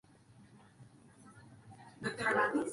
Sólo quedan cinco en la actualidad.